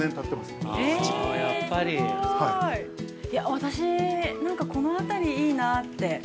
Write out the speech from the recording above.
私、なんかこのあたりいいなって。